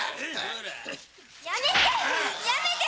やめて！